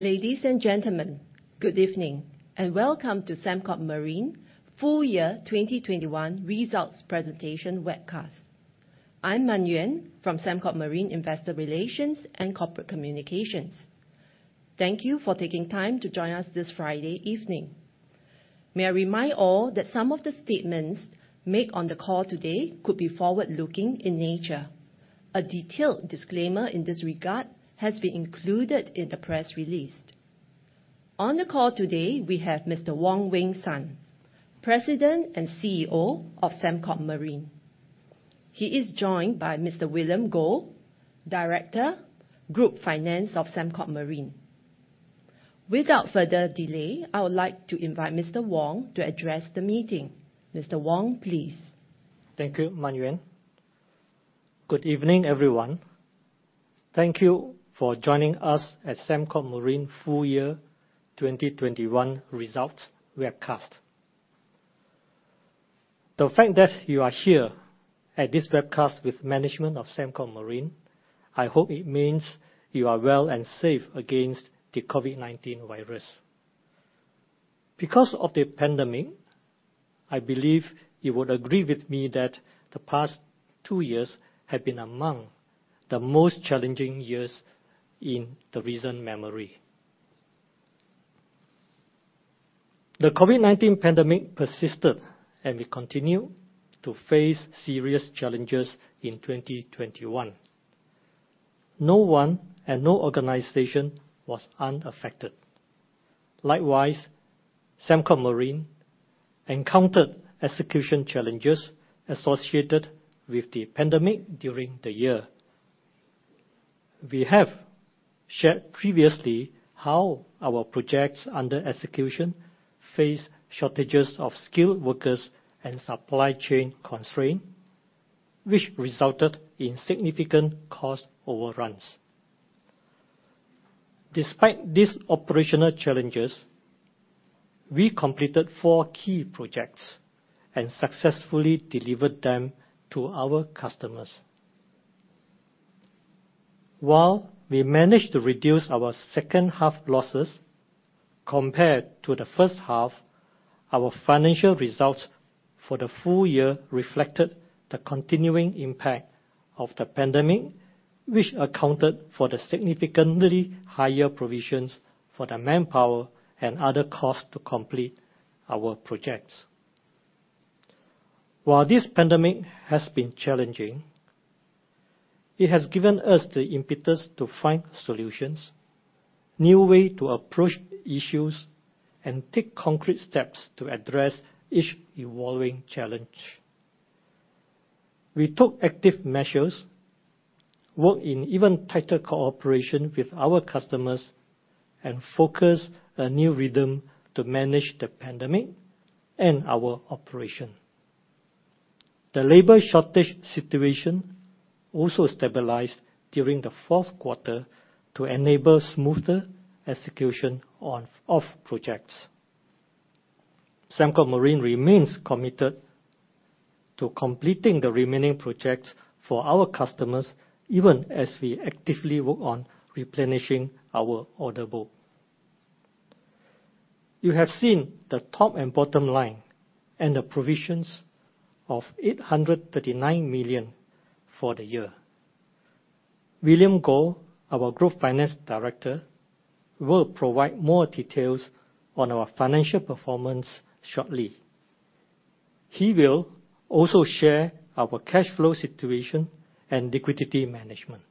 Ladies and gentlemen, good evening, and welcome to Sembcorp Marine Full Year 2021 results presentation webcast. I'm Chua Mun Yuen from Sembcorp Marine Investor Relations and Corporate Communications. Thank you for taking time to join us this Friday evening. May I remind all that some of the statements made on the call today could be forward-looking in nature. A detailed disclaimer in this regard has been included in the press release. On the call today, we have Mr. Wong Weng Sun, President and CEO of Sembcorp Marine. He is joined by Mr. William Goh, Director, Group Finance of Sembcorp Marine. Without further delay, I would like to invite Mr. Wong to address the meeting. Mr. Wong, please. Thank you, Mun Yuen. Good evening, everyone. Thank you for joining us at Sembcorp Marine full year 2021 results webcast. The fact that you are here at this webcast with management of Sembcorp Marine, I hope it means you are well and safe against the COVID-19 virus. Because of the pandemic, I believe you would agree with me that the past two years have been among the most challenging years in recent memory. The COVID-19 pandemic persisted, and we continue to face serious challenges in 2021. No one and no organization was unaffected. Likewise, Sembcorp Marine encountered execution challenges associated with the pandemic during the year. We have shared previously how our projects under execution faced shortages of skilled workers and supply chain constraints, which resulted in significant cost overruns. Despite these operational challenges, we completed four key projects and successfully delivered them to our customers. While we managed to reduce our second half losses compared to the first half, our financial results for the full year reflected the continuing impact of the pandemic, which accounted for the significantly higher provisions for the manpower and other costs to complete our projects. While this pandemic has been challenging, it has given us the impetus to find solutions, new way to approach issues and take concrete steps to address each evolving challenge. We took active measures, work in even tighter cooperation with our customers and focus a new rhythm to manage the pandemic and our operation. The labor shortage situation also stabilized during the fourth quarter to enable smoother execution of projects. Sembcorp Marine remains committed to completing the remaining projects for our customers, even as we actively work on replenishing our order book. You have seen the top and bottom line and the provisions of 839 million for the year. William Goh, our Group Finance Director, will provide more details on our financial performance shortly. He will also share our cash flow situation and liquidity management.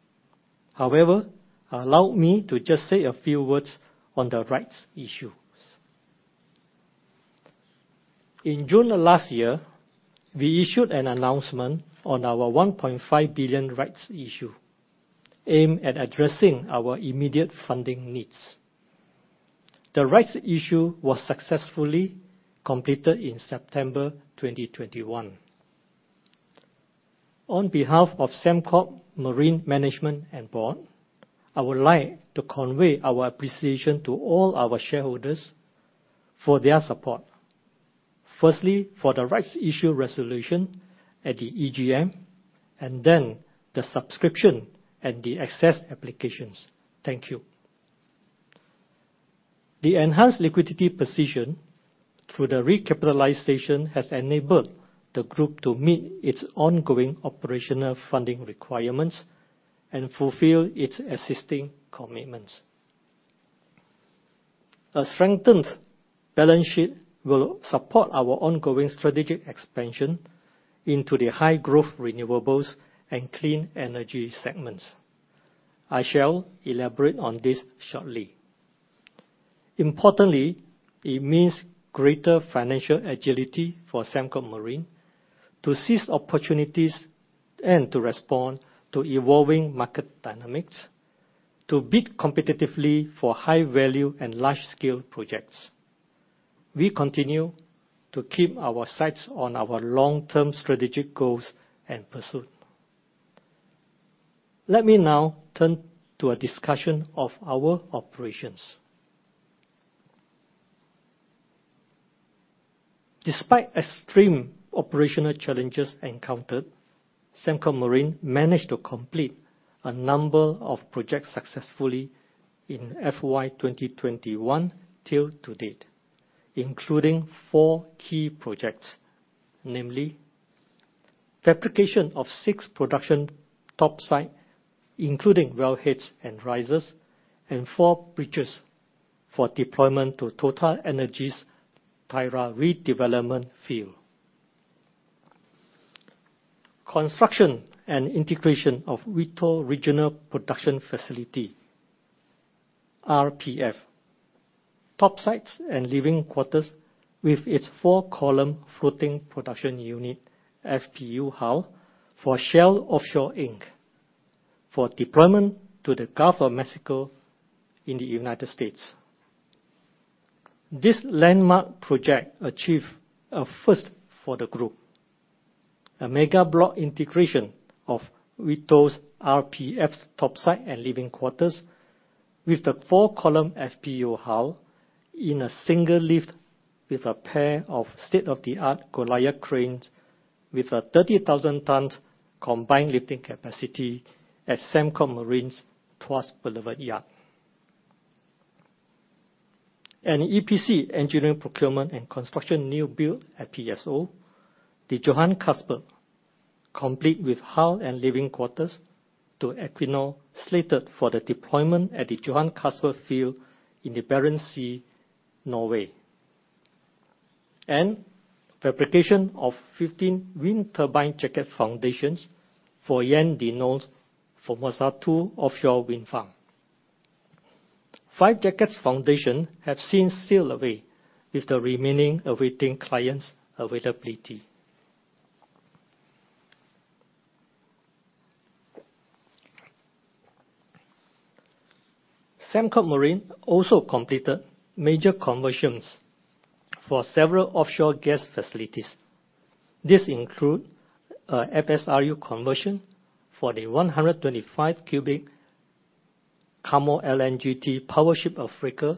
However, allow me to just say a few words on the rights issues. In June of last year, we issued an announcement on our 1.5 billion rights issue aimed at addressing our immediate funding needs. The rights issue was successfully completed in September 2021. On behalf of Sembcorp Marine management and board, I would like to convey our appreciation to all our shareholders for their support. Firstly, for the rights issue resolution at the EGM, and then the subscription and the excess applications. Thank you. The enhanced liquidity position through the recapitalization has enabled the group to meet its ongoing operational funding requirements and fulfill its existing commitments. A strengthened balance sheet will support our ongoing strategic expansion into the high-growth renewables and clean energy segments. I shall elaborate on this shortly. Importantly, it means greater financial agility for Sembcorp Marine to seize opportunities and to respond to evolving market dynamics, to bid competitively for high value and large-scale projects. We continue to keep our sights on our long-term strategic goals and pursuit. Let me now turn to a discussion of our operations. Despite extreme operational challenges encountered, Sembcorp Marine managed to complete a number of projects successfully in FY 2021 to date, including four key projects, namely fabrication of six production topsides, including wellheads and risers and four bridges for deployment to TotalEnergies Tyra redevelopment field. Construction and integration of Vito Regional Production Facility, RPF. Topsides and living quarters with its four-column floating production unit, FPU hull for Shell Offshore Inc. for deployment to the Gulf of Mexico in the U.S. This landmark project achieved a first for the group, a mega block integration of Vito's RPF's topside and living quarters with the four-column FPU hull in a single lift with a pair of state-of-the-art goliath cranes with a 30,000 tons combined lifting capacity at Sembcorp Marine's Tuas Boulevard Yard. An EPC engineering procurement and construction new build FPSO, the Johan Castberg, complete with hull and living quarters to Equinor, slated for the deployment at the Johan Castberg field in the Barents Sea, Norway. Fabrication of 15 wind turbine jacket foundations for Ørsted's Formosa 2 offshore wind farm. Five jacket foundations have since sailed away, with the remaining awaiting client's availability. Sembcorp Marine also completed major conversions for several offshore gas facilities. This includes a FSRU conversion for the 125 cubic KARMOL LNGT Powership Africa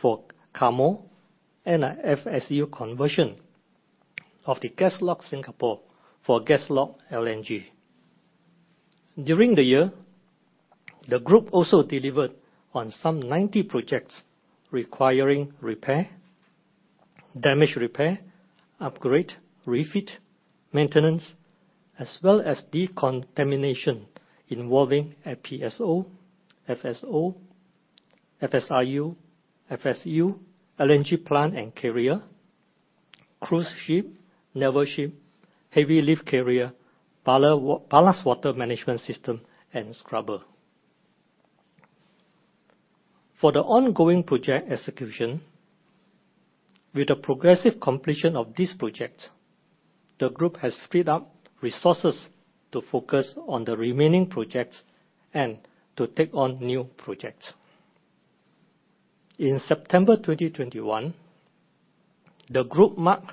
for KARMOL and a FSU conversion of the GasLog Singapore for GasLog. During the year, the group also delivered on some 90 projects requiring repair, damage repair, upgrade, refit, maintenance, as well as decontamination involving FPSO, FSO, FSRU, FSU, LNG plant and carrier, cruise ship, naval ship, heavy lift carrier, ballast water management system, and scrubber. For the ongoing project execution, with the progressive completion of this project, the group has freed up resources to focus on the remaining projects and to take on new projects. In September 2021, the group marked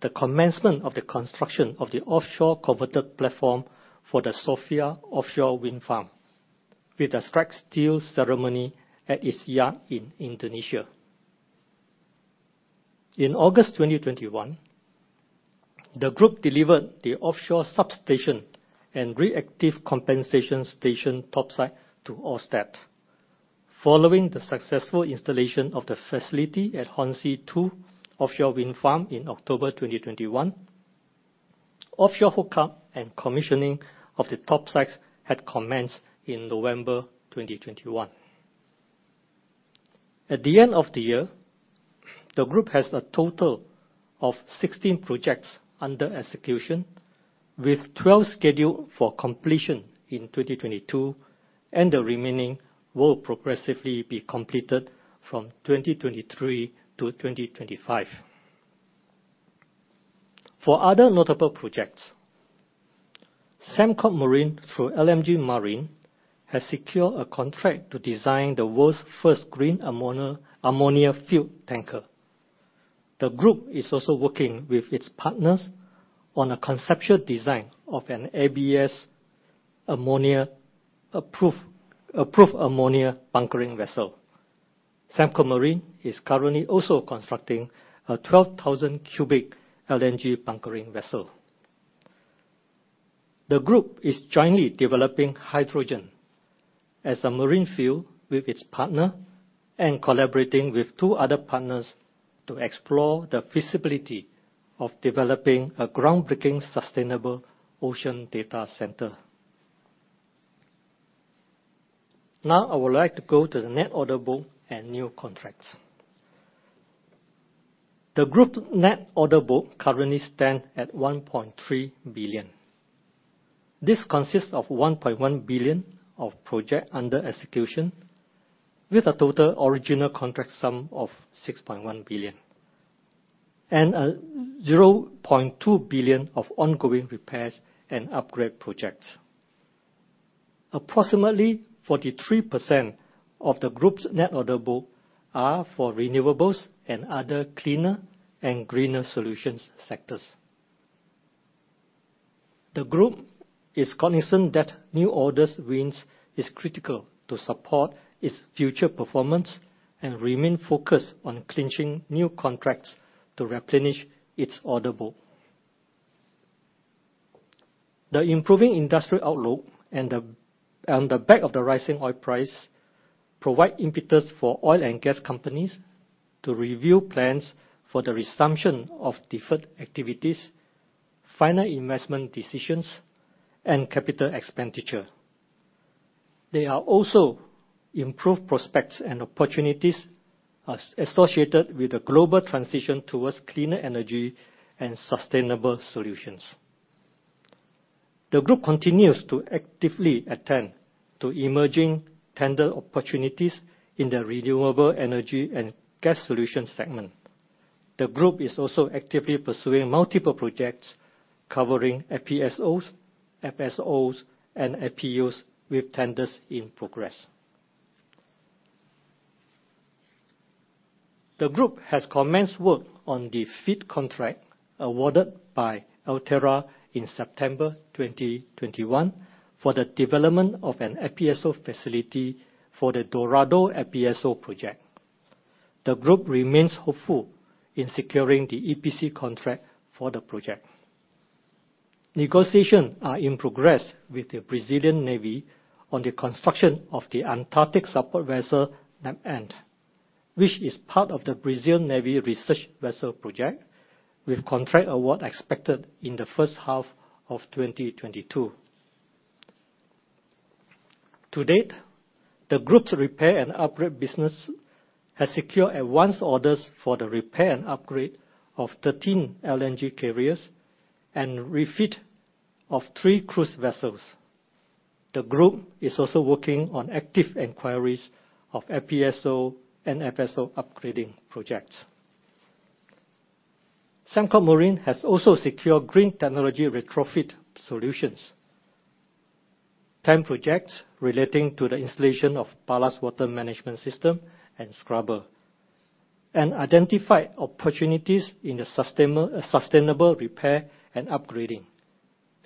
the commencement of the construction of the offshore converted platform for the Sofia offshore wind farm with a steel-cutting ceremony at its yard in Indonesia. In August 2021, the group delivered the offshore substation and reactive compensation station topside to Ørsted. Following the successful installation of the facility at Hornsea 2 offshore wind farm in October 2021, offshore hookup and commissioning of the topsides had commenced in November 2021. At the end of the year, the group has a total of 16 projects under execution, with 12 scheduled for completion in 2022, and the remaining will progressively be completed from 2023 to 2025. For other notable projects, Sembcorp Marine through LMG Marin has secured a contract to design the world's first green ammonia-fueled tanker. The group is also working with its partners on a conceptual design of an ABS ammonia approved ammonia bunkering vessel. Sembcorp Marine is currently also constructing a 12,000 m³ LNG bunkering vessel. The group is jointly developing hydrogen as a marine fuel with its partner and collaborating with two other partners to explore the feasibility of developing a groundbreaking sustainable ocean data center. Now, I would like to go to the net order book and new contracts. The group net order book currently stands at 1.3 billion. This consists of 1.1 billion of projects under execution, with a total original contract sum of 6.1 billion and zero point two billion of ongoing repairs and upgrade projects. Approximately 43% of the group's net order book are for renewables and other cleaner and greener solutions sectors. The group is cognizant that new orders wins is critical to support its future performance and remain focused on clinching new contracts to replenish its order book. The improving industrial outlook and then, on the back of the rising oil price, provide impetus for oil and gas companies to review plans for the resumption of deferred activities, final investment decisions, and capital expenditure. There are also improved prospects and opportunities as associated with the global transition towards cleaner energy and sustainable solutions. The group continues to actively attend to emerging tender opportunities in the renewable energy and gas solution segment. The group is also actively pursuing multiple projects covering FPSOs, FSOs, and FPUs with tenders in progress. The group has commenced work on the feed contract awarded by Altera Infrastructure in September 2021 for the development of an FPSO facility for the Dorado FPSO project. The group remains hopeful in securing the EPC contract for the project. Negotiations are in progress with the Brazilian Navy on the construction of the Antarctic support vessel NApAnt, which is part of the Brazilian Navy research vessel project, with contract award expected in the first half of 2022. To date, the group's repair and upgrade business has secured advanced orders for the repair and upgrade of 13 LNG carriers and refit of three cruise vessels. The group is also working on active inquiries of FPSO and FSO upgrading projects. Sembcorp Marine has also secured green technology retrofit solutions: 10 projects relating to the installation of ballast water management system and scrubber, and identified opportunities in the sustainable repair and upgrading,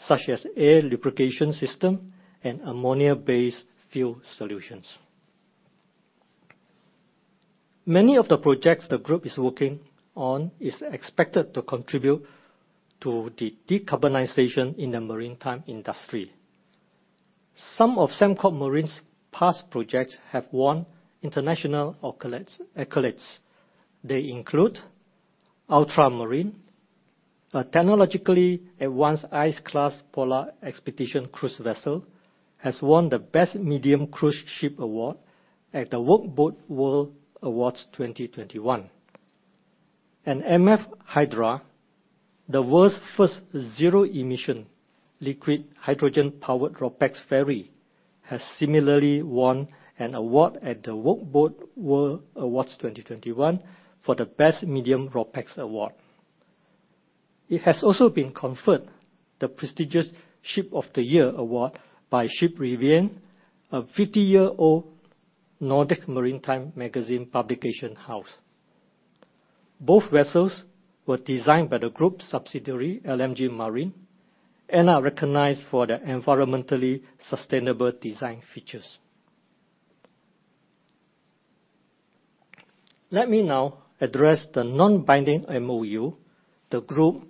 such as air lubrication system and ammonia-based fuel solutions. Many of the projects the group is working on is expected to contribute to the decarbonization in the maritime industry. Some of Sembcorp Marine's past projects have won international accolades. They include Ultramarine, a technologically advanced ice-class polar expedition cruise vessel, has won the Best Medium Cruise Ship award at the Baird Maritime World Ship of the Year Awards 2021. MF Hydra, the world's first zero-emission liquid hydrogen-powered RoPax ferry, has similarly won an award at the Baird Maritime World Ship of the Year Awards 2021 for the Best Medium Ro-Pax award. It has also been conferred the prestigious Ship of the Year award by Skipsrevyen, a 50-year-old Nordic maritime magazine publication house. Both vessels were designed by the group's subsidiary, LMG Marin, and are recognized for their environmentally sustainable design features. Let me now address the non-binding MoU the group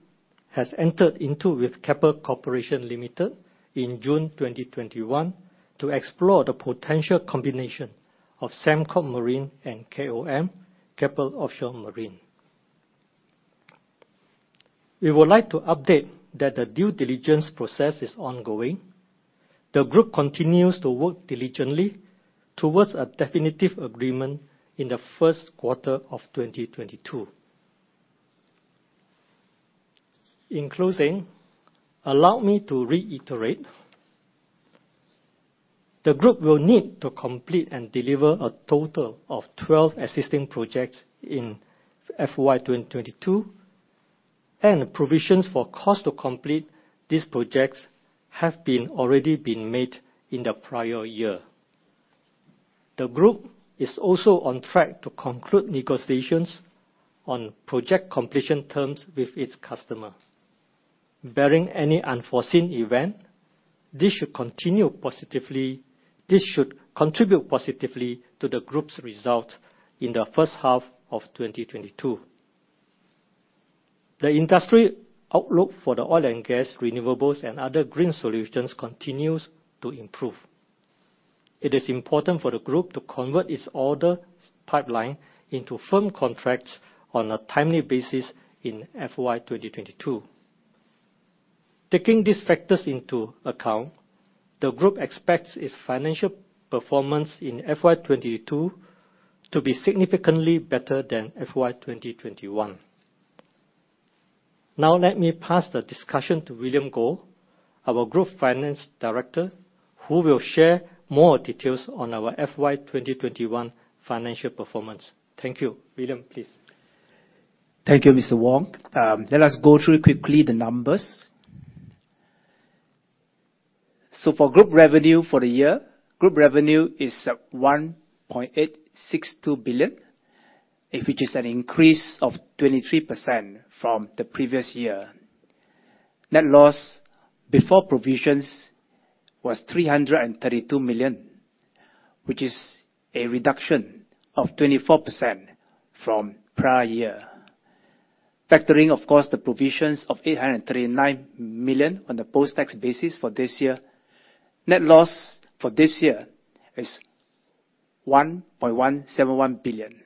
has entered into with Keppel Corporation Limited in June 2021 to explore the potential combination of Sembcorp Marine and KOM, Keppel Offshore & Marine. We would like to update that the due diligence process is ongoing. The group continues to work diligently towards a definitive agreement in the first quarter of 2022. In closing, allow me to reiterate, the group will need to complete and deliver a total of 12 existing projects in FY 2022, and provisions for cost to complete these projects have already been made in the prior year. The group is also on track to conclude negotiations on project completion terms with its customer. Barring any unforeseen event, this should continue positively. This should contribute positively to the group's result in the first half of 2022. The industry outlook for the oil and gas renewables and other green solutions continues to improve. It is important for the group to convert its order pipeline into firm contracts on a timely basis in FY 2022. Taking these factors into account, the group expects its financial performance in FY 2022 to be significantly better than FY 2021. Now let me pass the discussion to William Goh, our Group Finance Director, who will share more details on our FY 2021 financial performance. Thank you. William, please. Thank you, Mr. Wong. Let us go through quickly the numbers. For group revenue for the year, group revenue is at 1.862 billion, which is an increase of 23% from the previous year. Net loss before provisions was 332 million, which is a reduction of 24% from prior year. Factoring, of course, the provisions of 839 million on the post-tax basis for this year, net loss for this year is 1.171 billion.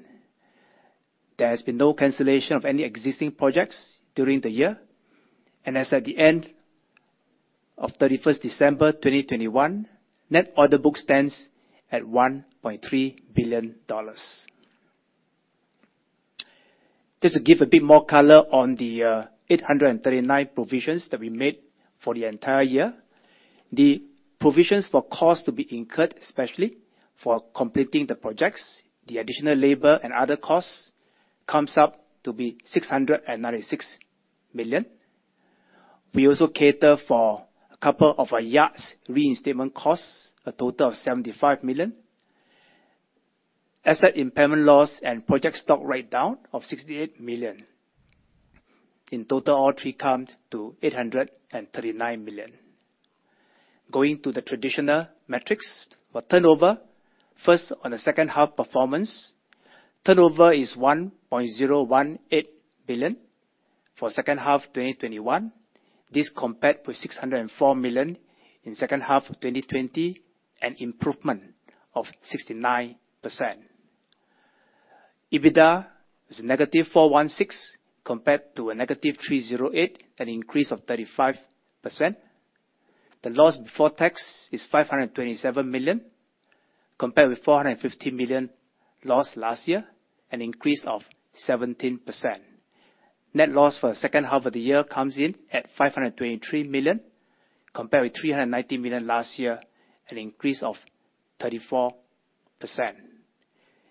There has been no cancellation of any existing projects during the year. As at the end of 31st December 2021, net order book stands at 1.3 billion dollars. Just to give a bit more color on the 839 million provisions that we made for the entire year. The provisions for cost to be incurred, especially for completing the projects, the additional labor and other costs comes up to be 696 million. We also cater for a couple of our yards reinstatement costs, a total of 75 million. Asset impairment loss and project stock write down of 68 million. In total, all three count to 839 million. Going to the traditional metrics for turnover. First, on the second half performance, turnover is 1.018 billion for second half of 2021. This compared with 604 million in second half of 2020, an improvement of 69%. EBITDA is a -416 compared to a -308, an increase of 35%. The loss before tax is 527 million, compared with 450 million loss last year, an increase of 17%. Net loss for the second half of the year comes in at 523 million, compared with 390 million last year, an increase of 34%.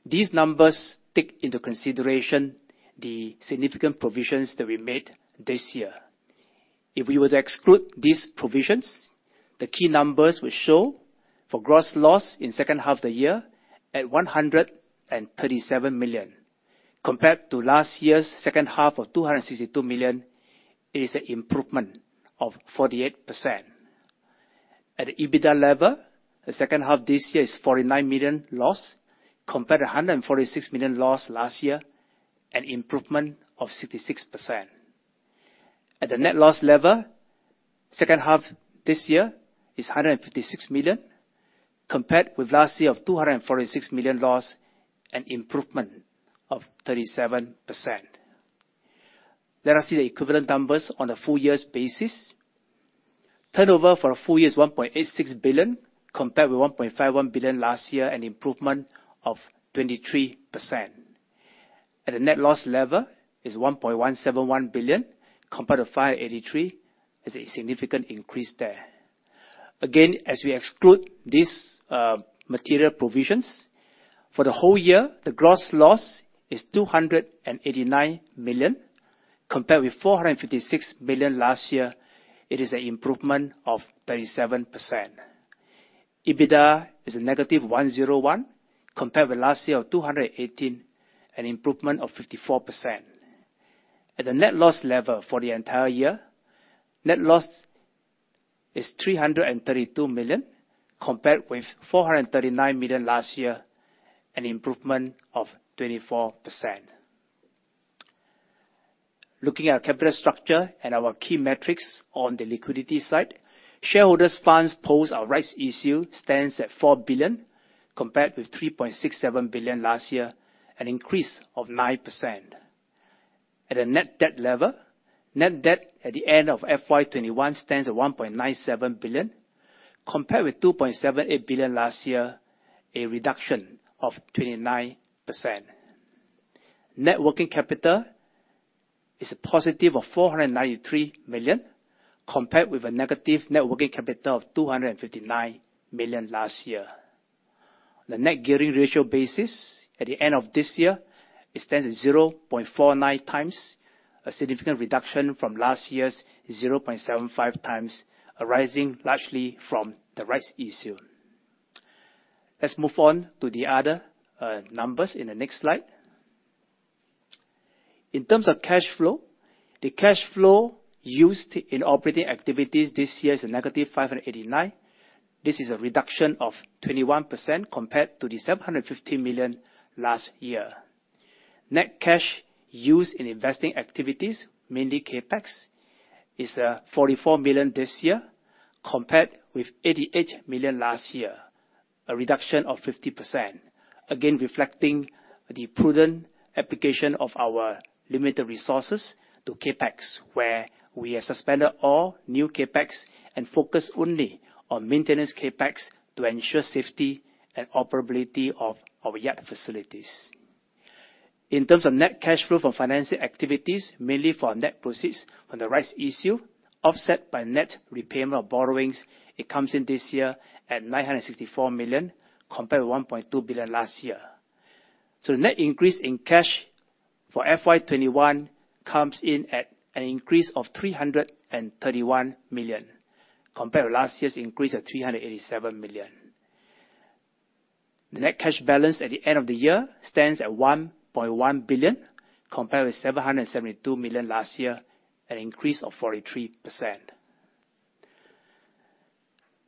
These numbers take into consideration the significant provisions that we made this year. If we were to exclude these provisions, the key numbers will show for gross loss in second half of the year at 137 million. Compared to last year's second half of 262 million, it is an improvement of 48%. At the EBITDA level, the second half this year is 49 million loss compared to a 146 million loss last year, an improvement of 66%. At the net loss level, second half this year is 156 million, compared with last year of 246 million loss, an improvement of 37%. Let us see the equivalent numbers on a full year's basis. Turnover for a full year is 1.86 billion, compared with 1.51 billion last year, an improvement of 23%. At the net loss level is 1.171 billion compared to 583 million. There's a significant increase there. Again, as we exclude these material provisions, for the whole year, the gross loss is 289 million, compared with 456 million last year. It is an improvement of 37%. EBITDA is a -101 million compared with last year of 218 million, an improvement of 54%. At the net loss level for the entire year, net loss is 332 million compared with 439 million last year, an improvement of 24%. Looking at our capital structure and our key metrics on the liquidity side. Shareholders' funds post our rights issue stands at 4 billion compared with 3.67 billion last year, an increase of 9%. At a net debt level, net debt at the end of FY 2021 stands at 1.97 billion, compared with 2.78 billion last year, a reduction of 29%. Net working capital is a positive of 493 million, compared with a negative net working capital of 259 million last year. The net gearing ratio basis at the end of this year, it stands at 0.49x, a significant reduction from last year's 0.75x, arising largely from the rights issue. Let's move on to the other numbers in the next slide. In terms of cash flow, the cash flow used in operating activities this year is -589 million. This is a reduction of 21% compared to the 750 million last year. Net cash used in investing activities, mainly CapEx, is 44 million this year compared with 88 million last year. A reduction of 50%, again reflecting the prudent application of our limited resources to CapEx, where we have suspended all new CapEx and focus only on maintenance CapEx to ensure safety and operability of our yard facilities. In terms of net cash flow from financing activities, mainly for our net proceeds on the rights issue, offset by net repayment of borrowings, it comes in this year at 964 million compared to 1.2 billion last year. Net increase in cash for FY 2021 comes in at an increase of 331 million compared to last year's increase of 387 million. The net cash balance at the end of the year stands at 1.1 billion compared with 772 million last year, an increase of 43%.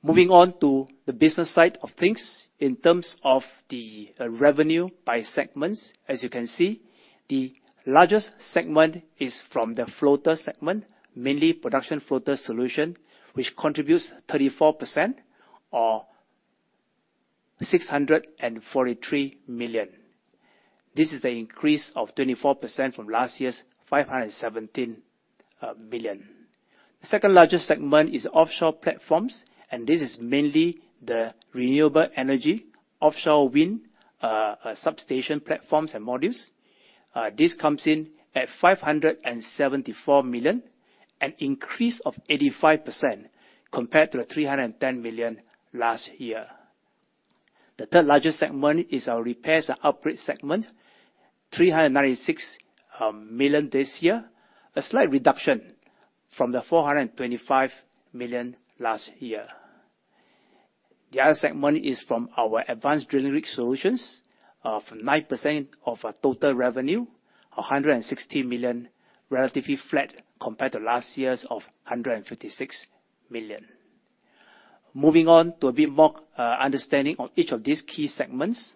Moving on to the business side of things. In terms of the revenue by segments, as you can see, the largest segment is from the floater segment, mainly production floater solution, which contributes 34% or 643 million. This is an increase of 24% from last year's 517 million. The second largest segment is offshore platforms, and this is mainly the renewable energy, offshore wind, substation platforms and modules. This comes in at 574 million, an increase of 85% compared to the 310 million last year. The third largest segment is our repairs and upgrade segment, 396 million this year. A slight reduction from the 425 million last year. The other segment is from our advanced drilling rig solutions of 9% of our total revenue, 160 million, relatively flat compared to last year's of 156 million. Moving on to a bit more understanding on each of these key segments.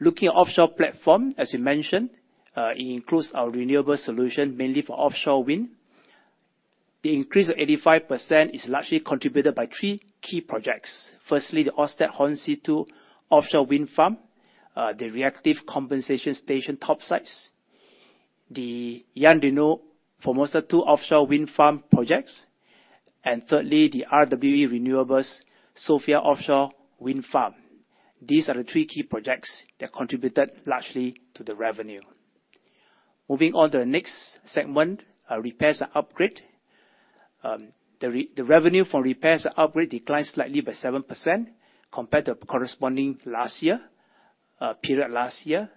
Looking at offshore platform, as we mentioned, it includes our renewable solution mainly for offshore wind. The increase of 85% is largely contributed by three key projects. Firstly, the Ørsted Hornsea Two offshore wind farm, the reactive compensation station topsides. The JERA Formosa 2 offshore wind farm projects. And thirdly, the RWE Renewables Sofia offshore wind farm. These are the three key projects that contributed largely to the revenue. Moving on to the next segment, repairs and upgrade. The revenue for repairs and upgrade declined slightly by 7% compared to the corresponding period last year.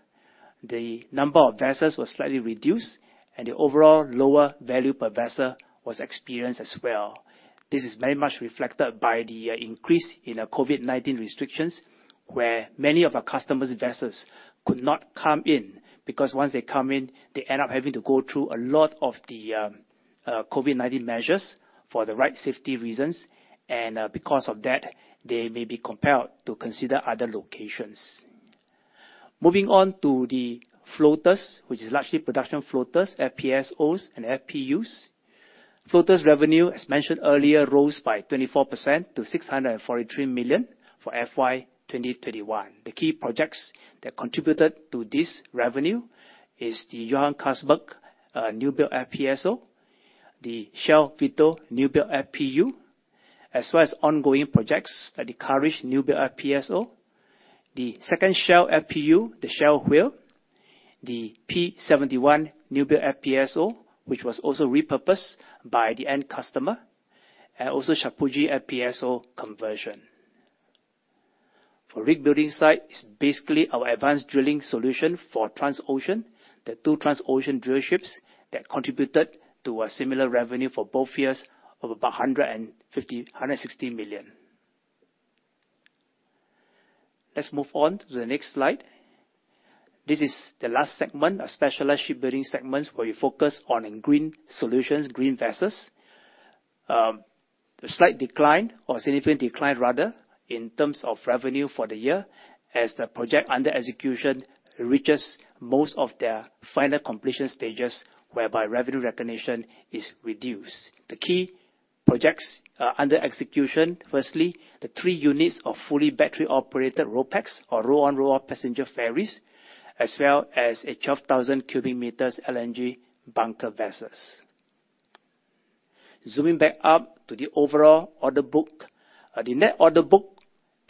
The number of vessels was slightly reduced and the overall lower value per vessel was experienced as well. This is very much reflected by the increase in the COVID-19 restrictions, where many of our customers' vessels could not come in, because once they come in, they end up having to go through a lot of the COVID-19 measures for the right safety reasons. Because of that, they may be compelled to consider other locations. Moving on to the floaters, which is largely production floaters, FPSOs, and FPUs. Floaters revenue, as mentioned earlier, rose by 24% to 643 million for FY 2021. The key projects that contributed to this revenue is the Johan Castberg new-build FPSO, the Shell Vito new-build FPU, as well as ongoing projects like the Courage new-build FPSO, the second Shell FPU, the Shell Whale, the P71 new-build FPSO, which was also repurposed by the end customer, and also Shapoorji Pallonji FPSO conversion. For rig building site, it's basically our advanced drilling solution for Transocean. The two Transocean drill ships that contributed to a similar revenue for both years of about $160 million. Let's move on to the next slide. This is the last segment, a specialized shipbuilding segment, where we focus on green solutions, green vessels. A slight decline or a significant decline rather, in terms of revenue for the year as the project under execution reaches most of their final completion stages, whereby revenue recognition is reduced. The key projects under execution, firstly, the three units of fully battery-operated RoPax or roll on roll off passenger ferries, as well as a 12,000 m³ LNG bunker vessels. Zooming back up to the overall order book. The net order book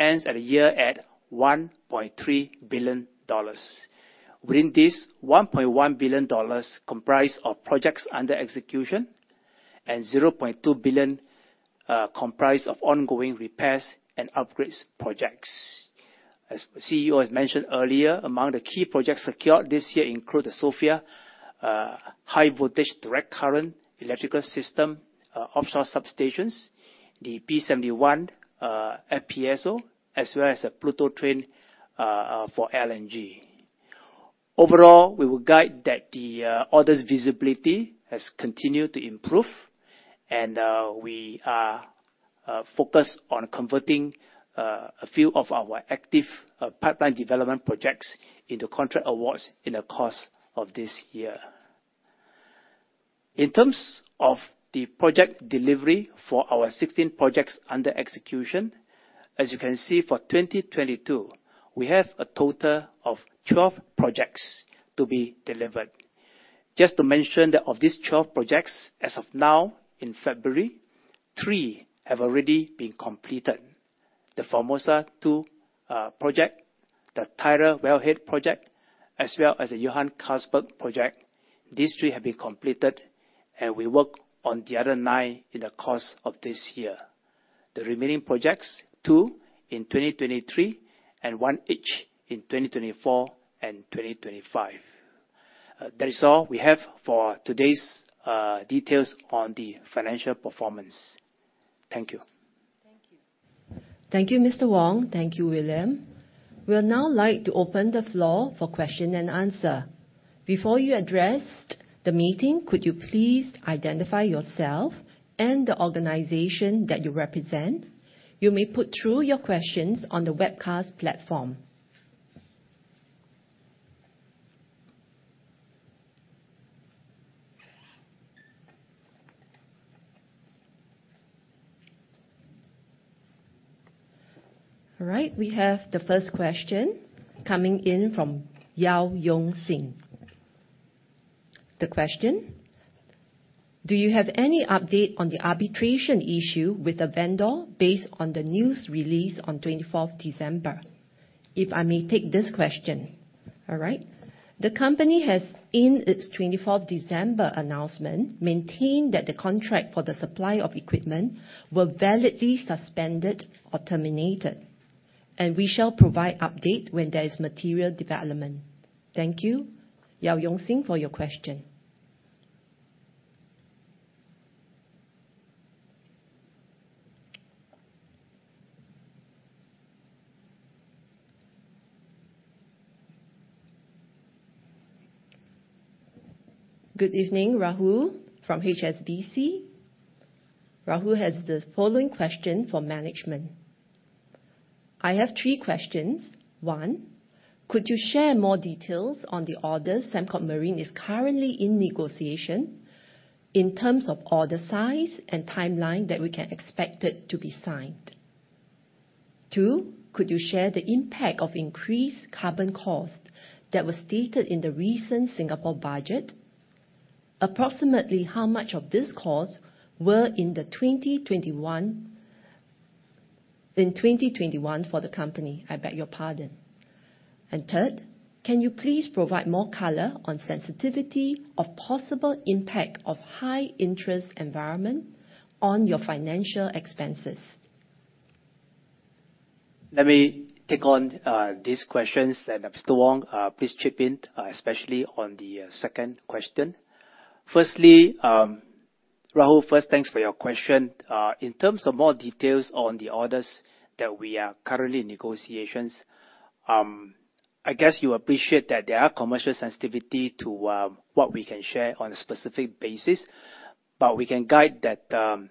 ends the year at 1.3 billion dollars. Within this, 1.1 billion dollars comprise of projects under execution and 0.2 billion comprise of ongoing repairs and upgrades projects. As CEO has mentioned earlier, among the key projects secured this year include the Sofia high voltage direct current electrical system offshore substations, the P71 FPSO, as well as the Pluto train for LNG. Overall, we will guide that the orders visibility has continued to improve and we are focused on converting a few of our active pipeline development projects into contract awards in the course of this year. In terms of the project delivery for our 16 projects under execution, as you can see for 2022, we have a total of 12 projects to be delivered. Just to mention that of these 12 projects, as of now in February, three have already been completed. The Formosa 2 project, the Tyra wellhead project, as well as the Johan Castberg project. These three have been completed. We work on the other nine in the course of this year. The remaining projects, two in 2023 and one each in 2024 and 2025. That is all we have for today's details on the financial performance. Thank you. Thank you. Thank you, Mr. Wong. Thank you, William. We would now like to open the floor for question and answer. Before you address the meeting, could you please identify yourself and the organization that you represent? You may put through your questions on the webcast platform. All right, we have the first question coming in from Yeo Yong Siang. The question: Do you have any update on the arbitration issue with the vendor based on the news release on 24th December? If I may take this question. All right. The company has, in its 24th December announcement, maintained that the contract for the supply of equipment were validly suspended or terminated, and we shall provide update when there is material development. Thank you, Yeo Yong Siang, for your question. Good evening, Rahul from HSBC. Rahul has the following question for management. I have three questions. One, could you share more details on the orders Sembcorp Marine is currently in negotiation in terms of order size and timeline that we can expect it to be signed? Two, could you share the impact of increased carbon cost that was stated in the recent Singapore budget? Approximately how much of this cost were in 2021 for the company, I beg your pardon. Third, can you please provide more color on sensitivity of possible impact of high interest environment on your financial expenses? Let me take on these questions, and Mr. Wong, please chip in, especially on the second question. First, Rahul, thanks for your question. In terms of more details on the orders that we are currently in negotiations, I guess you appreciate that there are commercial sensitivities to what we can share on a specific basis, but we can guide that,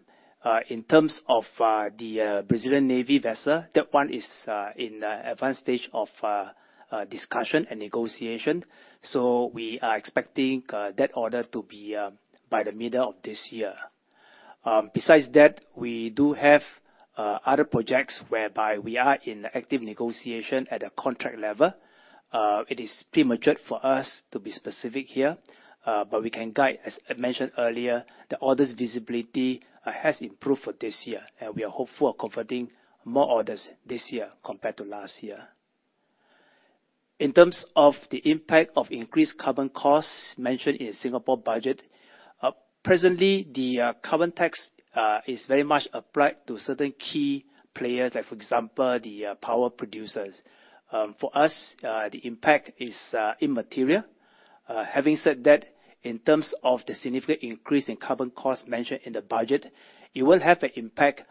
in terms of the Brazilian Navy vessel, that one is in advanced stage of discussion and negotiation, so we are expecting that order to be by the middle of this year. Besides that, we do have other projects whereby we are in active negotiation at a contract level. It is premature for us to be specific here, but we can guide, as I mentioned earlier, the orders visibility has improved for this year. We are hopeful of converting more orders this year compared to last year. In terms of the impact of increased carbon costs mentioned in Singapore Budget, presently the carbon tax is very much applied to certain key players like, for example, the power producers. For us, the impact is immaterial. Having said that, in terms of the significant increase in carbon cost mentioned in the budget, it will have an impact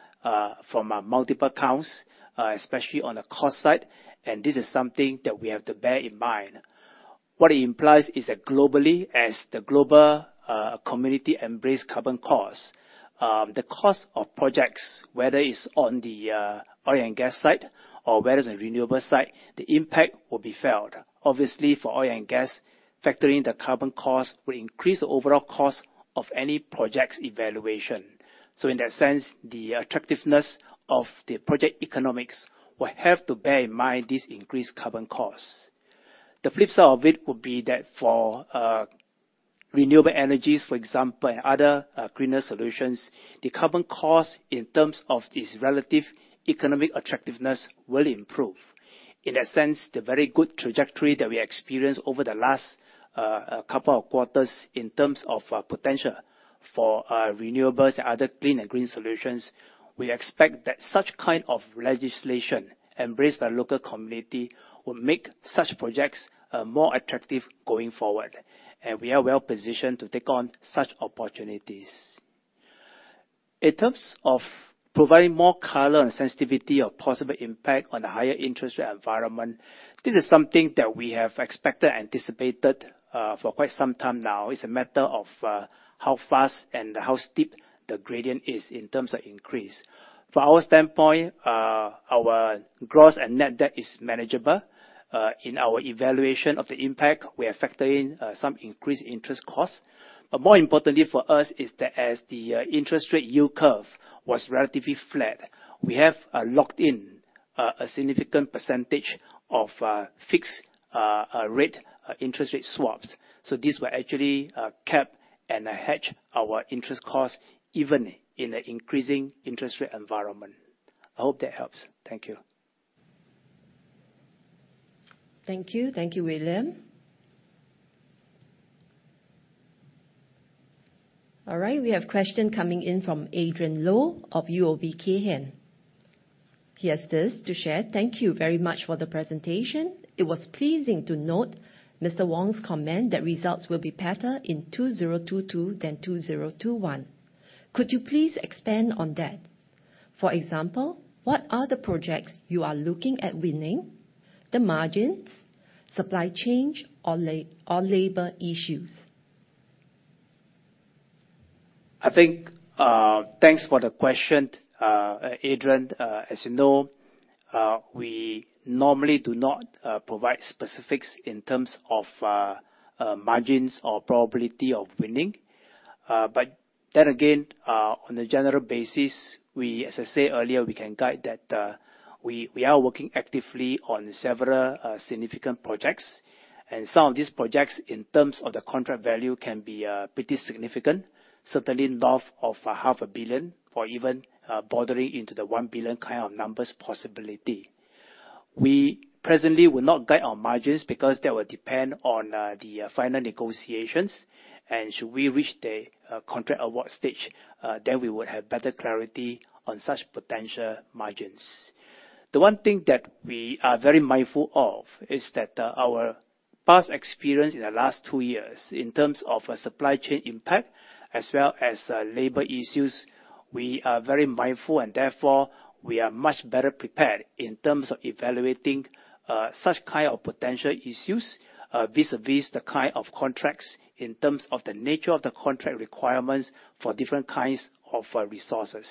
from multiple counts, especially on the cost side, and this is something that we have to bear in mind. What it implies is that globally, as the global community embrace carbon costs, the cost of projects, whether it's on the oil and gas side or whether it's on renewable side, the impact will be felt. Obviously, for oil and gas, factoring the carbon cost will increase the overall cost of any project's evaluation. In that sense, the attractiveness of the project economics will have to bear in mind this increased carbon costs. The flip side of it would be that for renewable energies, for example, and other greener solutions, the carbon cost in terms of its relative economic attractiveness will improve. In that sense, the very good trajectory that we experienced over the last couple of quarters in terms of potential for renewables and other clean and green solutions, we expect that such kind of legislation embraced by local community will make such projects more attractive going forward. We are well-positioned to take on such opportunities. In terms of providing more color and sensitivity of possible impact on the higher interest rate environment, this is something that we have expected, anticipated, for quite some time now. It's a matter of how fast and how steep the gradient is in terms of increase. From our standpoint, our gross and net debt is manageable. In our evaluation of the impact, we are factoring some increased interest costs. More importantly for us is that as the interest rate yield curve was relatively flat, we have locked in a significant percentage of fixed rate interest rate swaps. These will actually cap and hedge our interest costs even in the increasing interest rate environment. I hope that helps. Thank you. Thank you. Thank you, William. All right, we have a question coming in from Adrian Loh of UOB Kay Hian. He has this to share: Thank you very much for the presentation. It was pleasing to note Mr. Wong's comment that results will be better in 2022 than 2021. Could you please expand on that? For example, what are the projects you are looking at winning, the margins, supply chain or labor issues? I think, thanks for the question, Adrian. As you know, we normally do not provide specifics in terms of margins or probability of winning. Again, on a general basis, as I said earlier, we can guide that we are working actively on several significant projects and some of these projects in terms of the contract value can be pretty significant. Certainly north of 500,000 million or even bordering into the 1 billion kind of numbers possibility. We presently will not guide our margins because that will depend on the final negotiations and should we reach the contract award stage, then we would have better clarity on such potential margins. The one thing that we are very mindful of is that, our past experience in the last two years in terms of a supply chain impact as well as, labor issues, we are very mindful and therefore we are much better prepared in terms of evaluating, such kind of potential issues, vis-a-vis the kind of contracts in terms of the nature of the contract requirements for different kinds of, resources.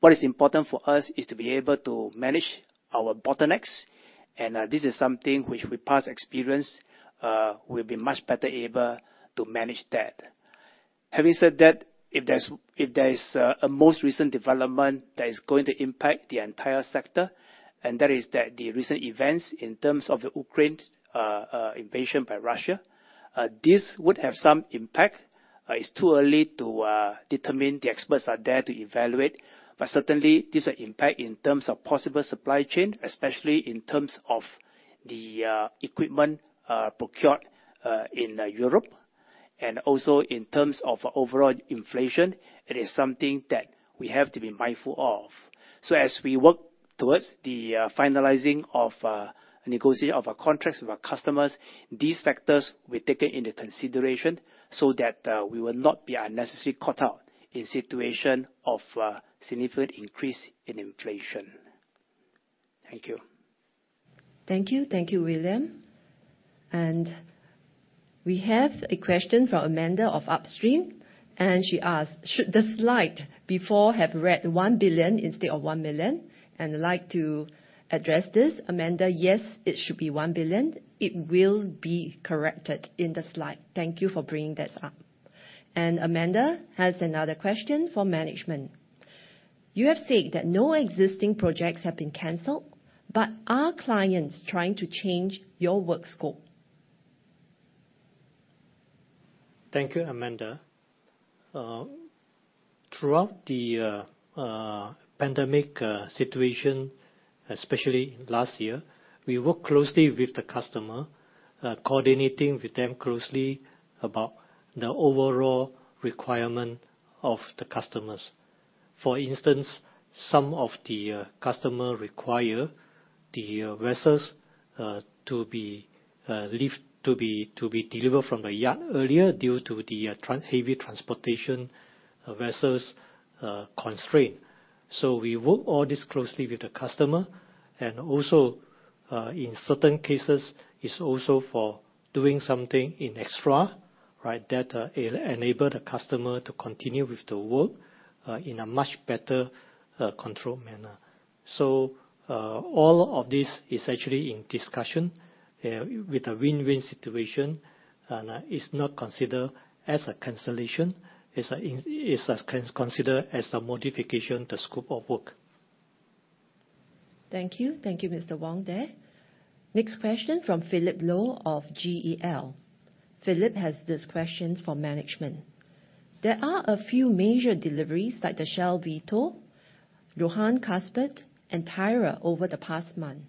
What is important for us is to be able to manage our bottlenecks and, this is something which with past experience, we'll be much better able to manage that. Having said that, if there is, a most recent development that is going to impact the entire sector, and that is that the recent events in terms of the Ukraine, invasion by Russia, this would have some impact. It's too early to determine. The experts are there to evaluate. Certainly this will impact in terms of possible supply chain, especially in terms of the equipment procured in Europe and also in terms of overall inflation. It is something that we have to be mindful of. As we work towards the finalizing of negotiation of our contracts with our customers, these factors were taken into consideration so that we will not be unnecessarily caught out in situation of significant increase in inflation. Thank you. Thank you. Thank you, William. We have a question from Amanda of Upstream, and she asked, should the slide before have read 1 billion instead of 1 million? I'd like to address this, Amanda. Yes, it should be 1 billion. It will be corrected in the slide. Thank you for bringing this up. Amanda has another question for management. You have said that no existing projects have been canceled, but are clients trying to change your work scope? Thank you, Amanda. Throughout the pandemic situation, especially last year, we worked closely with the customer, coordinating with them closely about the overall requirement of the customers. For instance, some of the customer require the vessels to be delivered from the yard earlier due to the heavy transportation vessels constraint. We work all this closely with the customer. Also, in certain cases, it's also for doing something in extra, right? That enable the customer to continue with the work in a much better controlled manner. All of this is actually in discussion with a win-win situation and is not considered as a cancellation. It's considered as a modification to scope of work. Thank you. Thank you, Mr. Wong. Next question from Philip Loh of GK Goh. Philip has this question for management. There are a few major deliveries like the Shell Vito, Johan Castberg and Tyra over the past month.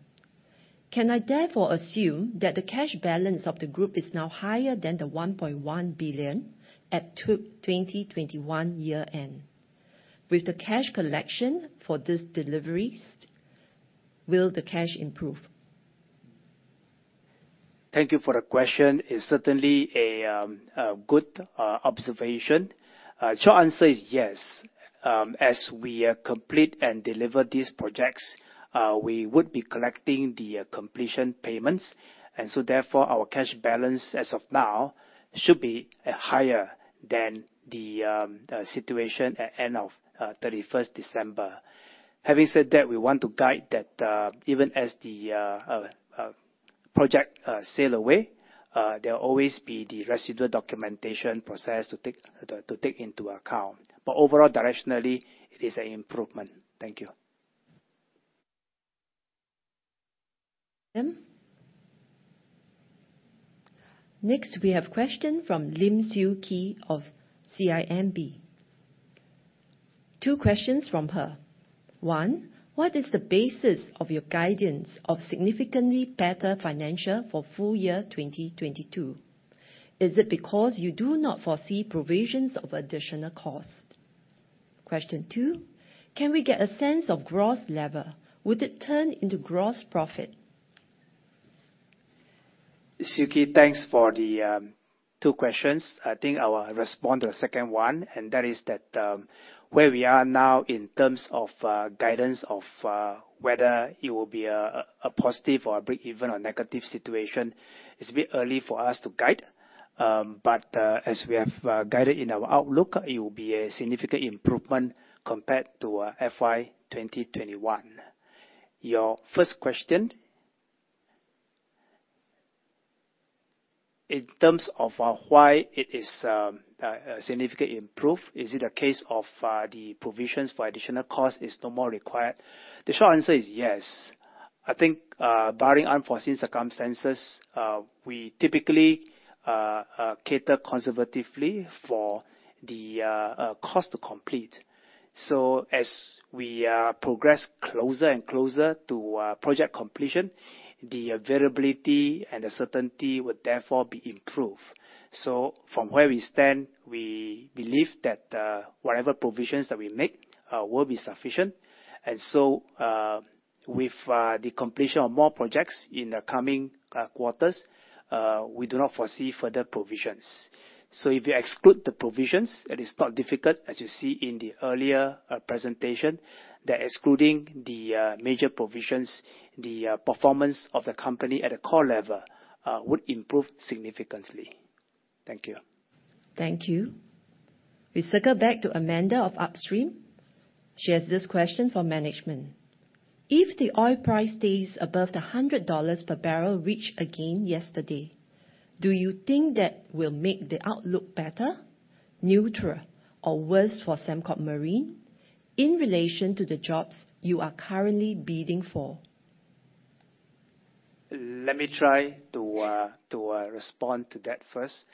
Can I therefore assume that the cash balance of the group is now higher than the 1.1 billion at 2021 year end? With the cash collection for these deliveries, will the cash improve? Thank you for the question. It's certainly a good observation. Short answer is yes. As we complete and deliver these projects, we would be collecting the completion payments, and so therefore our cash balance as of now should be higher than the situation at end of 31st December. Having said that, we want to guide that, even as the project sail away, there'll always be the residual documentation process to take into account. Overall directionally it is an improvement. Thank you. William? Next, we have question from Lim Siew Khee of CIMB. Two questions from her. One, what is the basis of your guidance of significantly better financial for full year 2022? Is it because you do not foresee provisions of additional cost? Question two, can we get a sense of gross level? Would it turn into gross profit? Siew Khee, thanks for the two questions. I think I will respond to the second one, and that is that, where we are now in terms of guidance of whether it will be a positive or a breakeven or negative situation, it's a bit early for us to guide. As we have guided in our outlook, it will be a significant improvement compared to FY 2021. Your first question. In terms of why it is significantly improved, is it a case of the provisions for additional cost is no more required? The short answer is yes. I think, barring unforeseen circumstances, we typically cater conservatively for the cost to complete. As we progress closer and closer to project completion, the variability and the certainty would therefore be improved. From where we stand, we believe that whatever provisions that we make will be sufficient. With the completion of more projects in the coming quarters, we do not foresee further provisions. If you exclude the provisions, it is not difficult as you see in the earlier presentation, that excluding the major provisions, the performance of the company at a core level would improve significantly. Thank you. Thank you. We circle back to Amanda of Upstream. She has this question for management. If the oil price stays above $100 per barrel reached again yesterday, do you think that will make the outlook better, neutral, or worse for Sembcorp Marine in relation to the jobs you are currently bidding for? Let me try to respond to that first.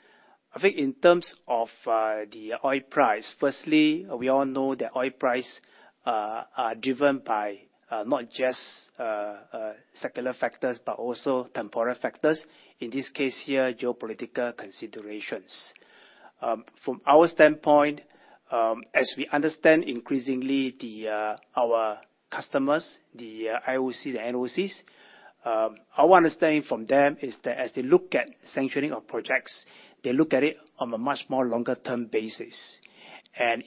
I think in terms of the oil prices, firstly, we all know that oil prices are driven by not just secular factors but also temporal factors. In this case here, geopolitical considerations. From our standpoint, as we understand increasingly our customers, the IOCs, the NOCs, our understanding from them is that as they look at sanctioning of projects, they look at it on a much longer-term basis.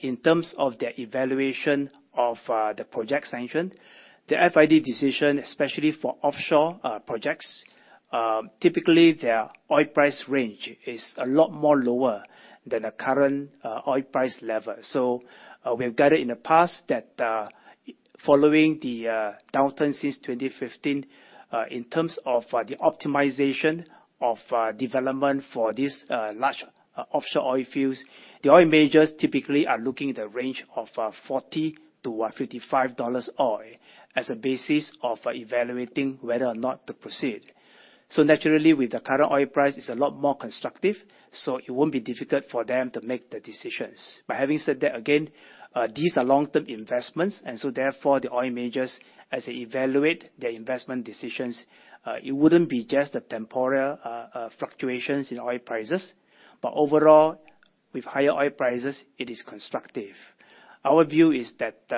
In terms of their evaluation of the project sanction, the FID decision, especially for offshore projects, typically, their oil price range is a lot lower than the current oil price level. We've guided in the past that following the downturn since 2015 in terms of the optimization of development for this large offshore oil fields, the oil majors typically are looking at a range of $40-$55 oil as a basis of evaluating whether or not to proceed. Naturally, with the current oil price, it's a lot more constructive, so it won't be difficult for them to make the decisions. Having said that, again, these are long-term investments and so therefore, the oil majors, as they evaluate their investment decisions, it wouldn't be just the temporal fluctuations in oil prices, but overall, with higher oil prices, it is constructive. Our view is that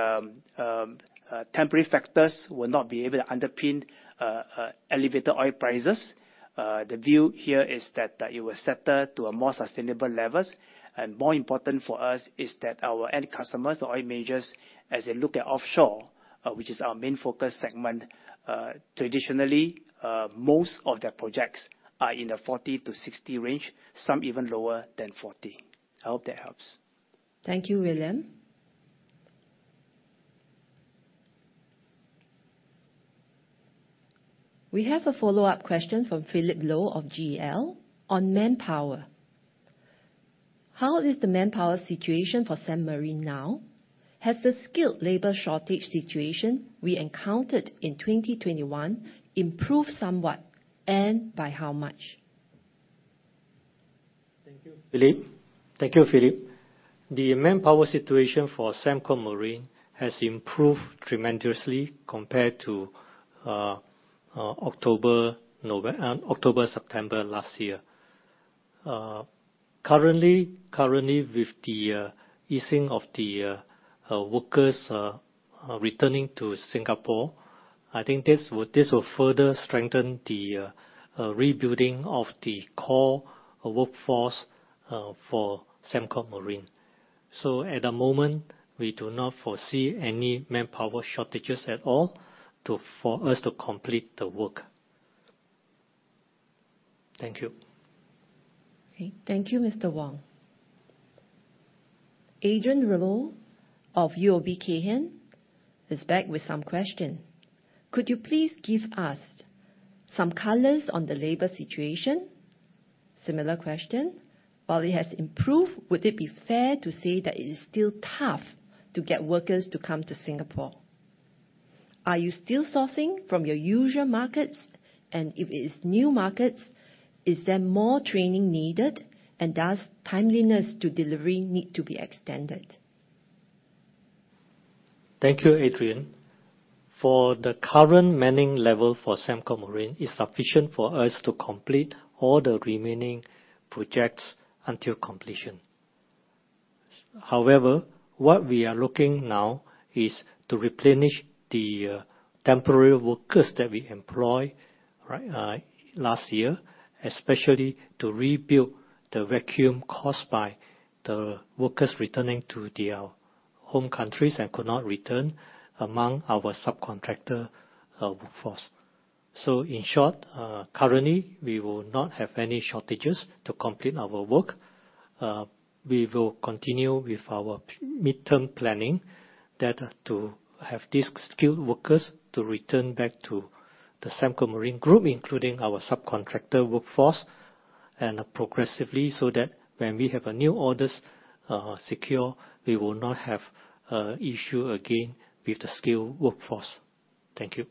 temporary factors will not be able to underpin elevated oil prices. The view here is that it will settle to a more sustainable levels. More important for us is that our end customers, the oil majors, as they look at offshore, which is our main focus segment, traditionally, most of their projects are in the $40-$60 range, some even lower than $40. I hope that helps. Thank you, William. We have a follow-up question from Philip Loh of GK Goh on manpower. How is the manpower situation for Sembcorp Marine now? Has the skilled labor shortage situation we encountered in 2021 improved somewhat, and by how much? Thank you, Philip. The manpower situation for Sembcorp Marine has improved tremendously compared to October, September last year. Currently with the easing of the workers returning to Singapore, I think this will further strengthen the rebuilding of the core workforce for Sembcorp Marine. At the moment, we do not foresee any manpower shortages at all for us to complete the work. Thank you. Okay. Thank you, Mr. Wong. Adrian Loh of UOB Kay Hian is back with some question. Could you please give us some colors on the labor situation? Similar question. While it has improved, would it be fair to say that it is still tough to get workers to come to Singapore? Are you still sourcing from your usual markets? And if it is new markets, is there more training needed? And does timeliness to delivery need to be extended? Thank you, Adrian. The current manning level for Sembcorp Marine is sufficient for us to complete all the remaining projects until completion. However, what we are looking now is to replenish the temporary workers that we employ last year, especially to rebuild the vacuum caused by the workers returning to their home countries and could not return among our subcontractor workforce. In short, currently we will not have any shortages to complete our work. We will continue with our mid-term planning to have these skilled workers to return back to the Sembcorp Marine Group, including our subcontractor workforce and progressively so that when we have a new orders secure, we will not have issue again with the skilled workforce. Thank you.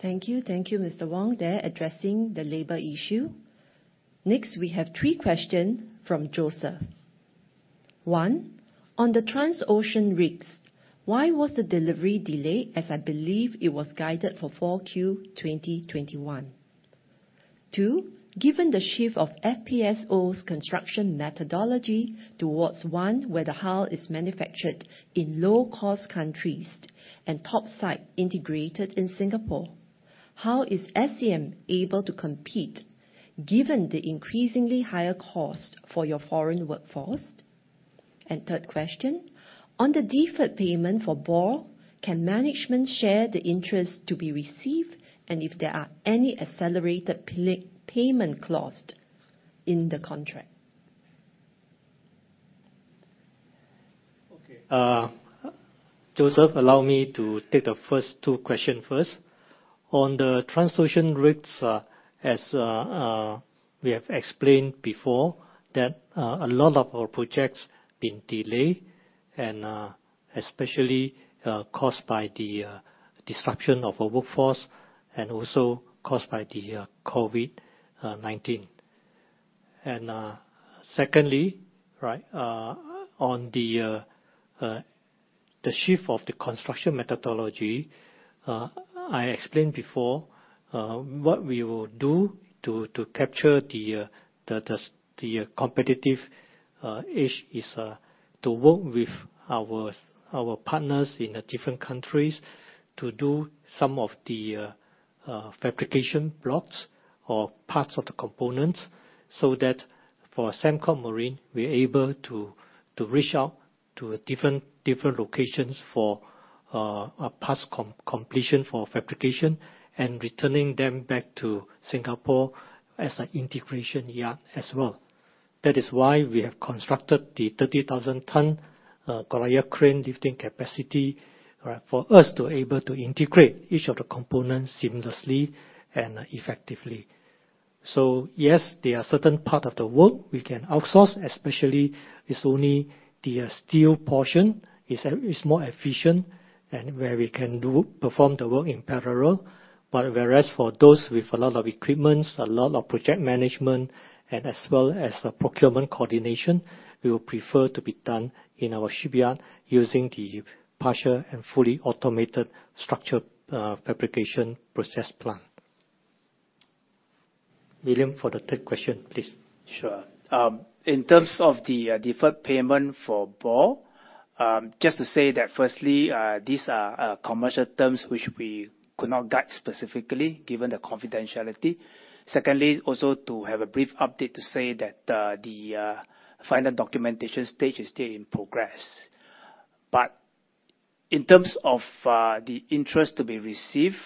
Thank you. Thank you, Mr. Wong, for addressing the labor issue. Next, we have three questions from Joseph. One, on the Transocean rigs, why was the delivery delayed as I believe it was guided for Q4 2021? Two, given the shift of FPSO's construction methodology towards one where the hull is manufactured in low-cost countries and topsides integrated in Singapore, how is SCM able to compete given the increasingly higher cost for your foreign workforce? Third question, on the deferred payment for Borr, can management share the interest to be received and if there are any accelerated payment clause in the contract? Okay. Joseph, allow me to take the first two question first. On the Transocean rigs, as we have explained before that a lot of our projects been delayed and especially caused by the disruption of our workforce and also caused by the COVID-19. Secondly, right, on the shift of the construction methodology, I explained before what we will do to capture the competitive edge is to work with our partners in the different countries to do some of the fabrication blocks or parts of the components so that for Sembcorp Marine, we're able to reach out to different locations for post-completion for fabrication and returning them back to Singapore as an integration yard as well. That is why we have constructed the 30,000 ton Goliath crane lifting capacity, right, for us to able to integrate each of the components seamlessly and effectively. Yes, there are certain part of the work we can outsource, especially it's only the steel portion. It's more efficient and where we can perform the work in parallel. Whereas for those with a lot of equipments, a lot of project management, and as well as the procurement coordination, we will prefer to be done in our shipyard using the partial and fully automated structure fabrication process plan. William, for the third question, please. Sure. In terms of the deferred payment for Borr, just to say that firstly, these are commercial terms which we could not guide specifically given the confidentiality. Secondly, also to have a brief update to say that the final documentation stage is still in progress. In terms of the interest to be received,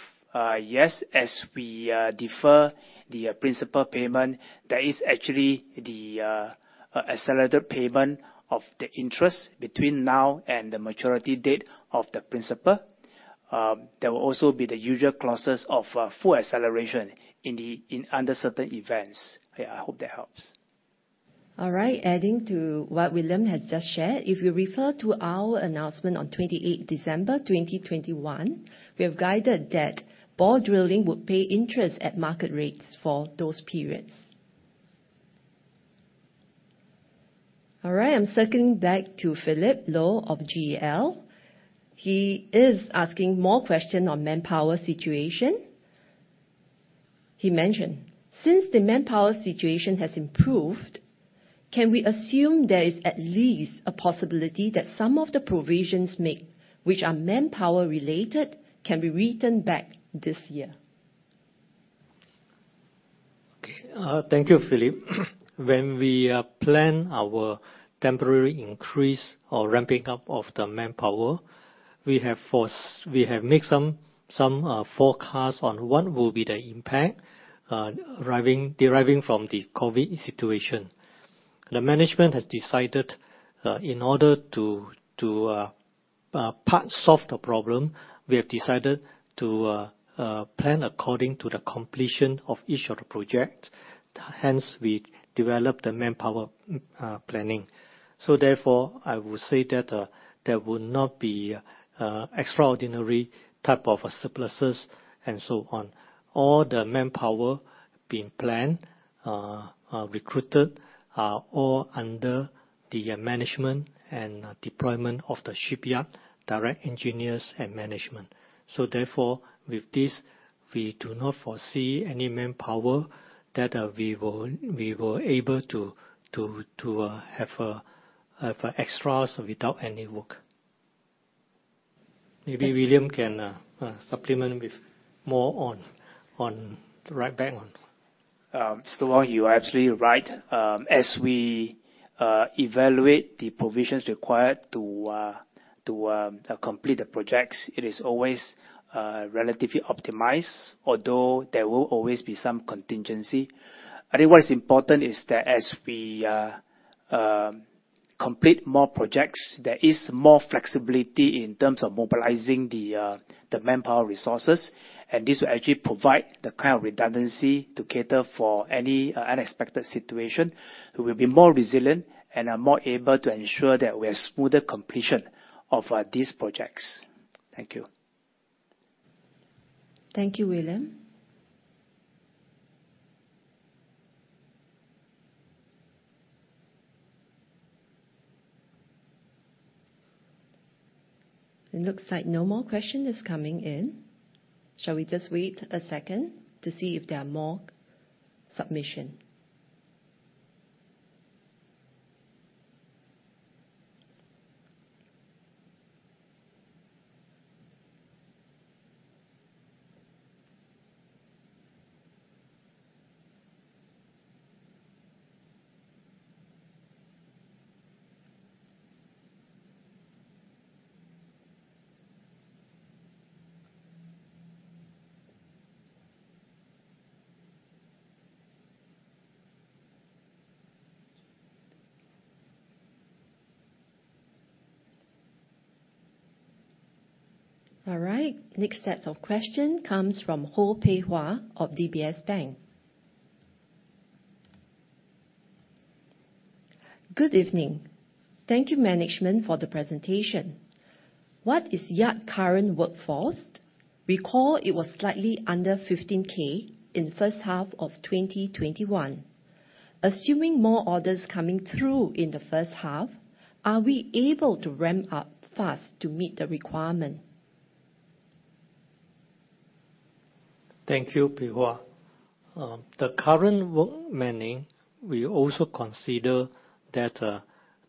yes, as we defer the principal payment, there is actually the accelerated payment of the interest between now and the maturity date of the principal. There will also be the usual clauses of full acceleration under certain events. Yeah, I hope that helps. All right. Adding to what William has just shared, if you refer to our announcement on 28th December 2021, we have guided that Borr Drilling would pay interest at market rates for those periods. All right. I'm circling back to Philip Loh of GK Goh. He is asking more question on manpower situation. He mentioned, "Since the manpower situation has improved, can we assume there is at least a possibility that some of the provisions made, which are manpower-related, can be written back this year? Okay. Thank you, Philip. When we plan our temporary increase or ramping up of the manpower, we have made some forecasts on what will be the impact deriving from the COVID-19 situation. The management has decided in order to partly solve the problem. We have decided to plan according to the completion of each of the projects. Hence, we developed the manpower planning. I would say that there will not be extraordinary type of surpluses and so on. All the manpower being planned recruited are all under the management and deployment of the shipyard, direct engineers and management. With this, we do not foresee any manpower that we will able to have extras without any work. Maybe William can supplement with more on the right bang on. You are absolutely right. As we evaluate the provisions required to complete the projects, it is always relatively optimized, although there will always be some contingency. I think what is important is that as we complete more projects, there is more flexibility in terms of mobilizing the manpower resources. This will actually provide the kind of redundancy to cater for any unexpected situation. We will be more resilient, and are more able to ensure that we have smoother completion of these projects. Thank you. Thank you, William. It looks like no more questions are coming in. Shall we just wait a second to see if there are more submissions? All right. Next set of questions comes from Ho Pei Hwa of DBS Bank. Good evening. Thank you, management, for the presentation. What is the yard's current workforce? Recall it was slightly under 15,000 in the first half of 2021. Assuming more orders coming through in the first half, are we able to ramp up fast to meet the requirement? Thank you, Pei Hwa. The current work manning, we also consider that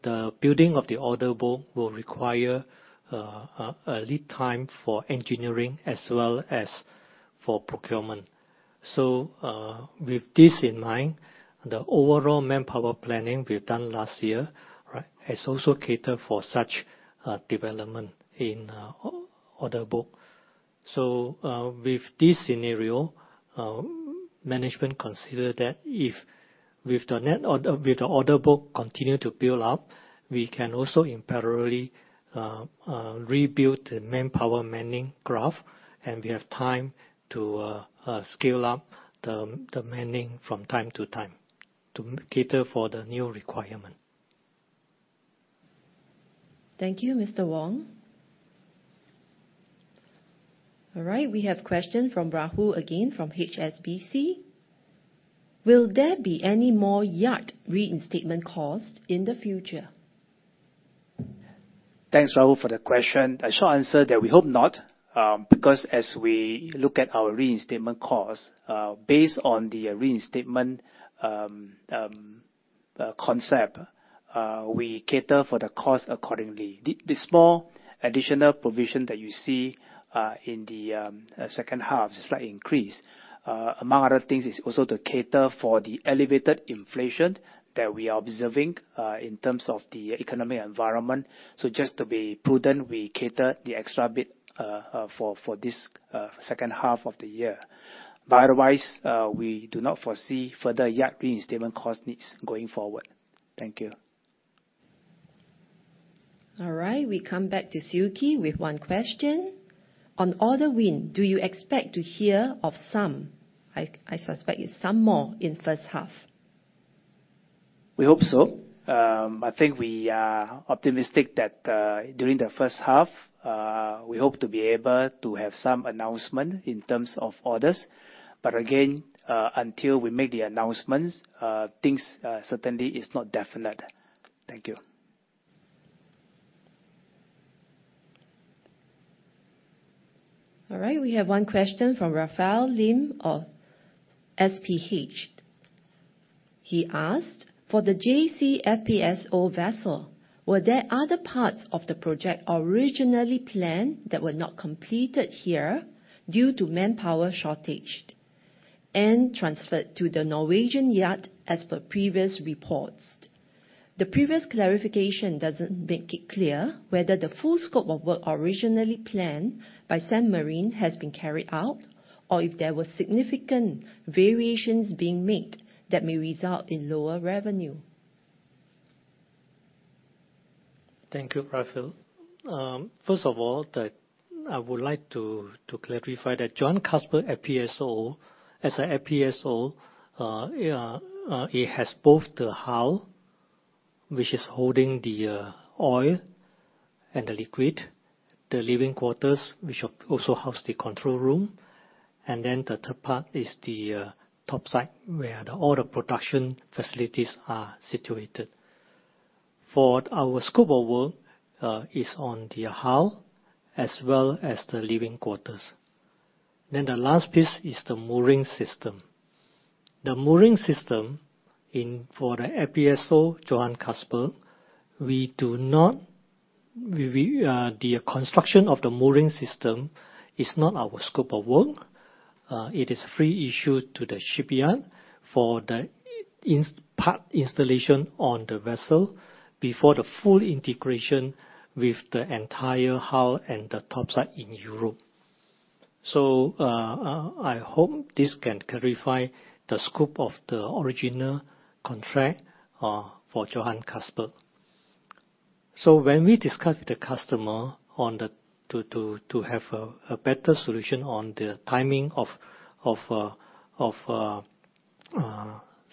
the building of the order book will require a lead time for engineering as well as for procurement. With this in mind, the overall manpower planning we've done last year, right, has also catered for such development in order book. With this scenario, management consider that if with the order book continue to build up, we can also incrementally rebuild the manpower manning graph, and we have time to scale up the manning from time to time to cater for the new requirement. Thank you, Mr. Wong. All right, we have a question from Rahul again, from HSBC. Will there be any more yard reinstatement costs in the future? Thanks, Rahul, for the question. The short answer that we hope not, because as we look at our reinstatement costs, based on the reinstatement concept, we cater for the cost accordingly. The small additional provision that you see in the second half, slightly increased, among other things, is also to cater for the elevated inflation that we are observing in terms of the economic environment. Just to be prudent, we cater the extra bit for this second half of the year. Otherwise, we do not foresee further yard reinstatement cost needs going forward. Thank you. All right. We come back to Siew Khee with one question. On order win, do you expect to hear of some, I suspect it's some more, in first half? We hope so. I think we are optimistic that, during the first half, we hope to be able to have some announcement in terms of orders. Again, until we make the announcements, things certainly is not definite. Thank you. All right. We have one question from Raphael Lim of SPH. He asked, "For the JC FPSO vessel, were there other parts of the project originally planned that were not completed here due to manpower shortage and transferred to the Norwegian Yard as per previous reports? The previous clarification doesn't make it clear whether the full scope of work originally planned by Sembcorp Marine has been carried out or if there were significant variations being made that may result in lower revenue. Thank you, Raphael. First of all, I would like to clarify that Johan Castberg FPSO, as a FPSO, it has both the hull, which is holding the oil and the liquid, the living quarters which also house the control room, and then the third part is the topside where all the production facilities are situated. For our scope of work is on the hull as well as the living quarters. The last piece is the mooring system. The mooring system for the FPSO Johan Castberg, the construction of the mooring system is not our scope of work. It is free issue to the shipyard for the part installation on the vessel before the full integration with the entire hull and the topside in Europe. I hope this can clarify the scope of the original contract for Johan Castberg. When we discussed with the customer to have a better solution on the timing of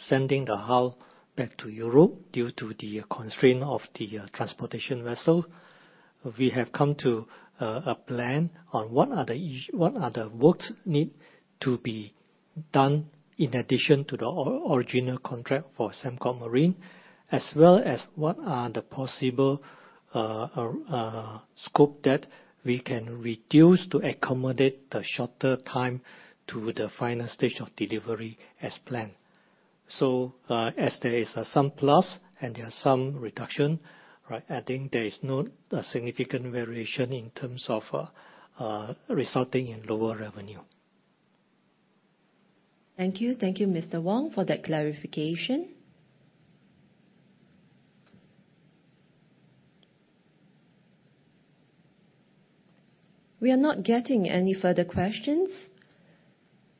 sending the hull back to Europe due to the constraint of the transportation vessel. We have come to a plan on what are the works need to be done in addition to the original contract for Sembcorp Marine, as well as what are the possible scope that we can reduce to accommodate the shorter time to the final stage of delivery as planned. As there is some plus and there are some reduction, right? I think there is no significant variation in terms of resulting in lower revenue. Thank you. Thank you, Mr. Wong, for that clarification. We are not getting any further questions.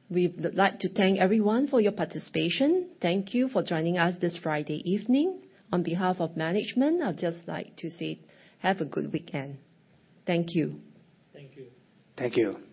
We would like to thank everyone for your participation. Thank you for joining us this Friday evening. On behalf of management, I'd just like to say have a good weekend. Thank you. Thank you. Thank you.